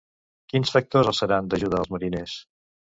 Quins factors els seran d'ajuda als mariners?